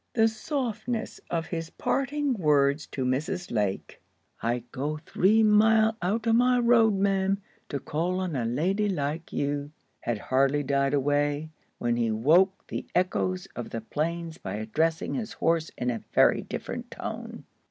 The softness of his parting words to Mrs. Lake, "I'd go three mile out of my road, ma'am, to call on a lady like you," had hardly died away, when he woke the echoes of the plains by addressing his horse in a very different tone.